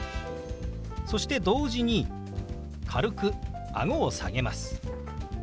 そして同時に軽くあごを下げます。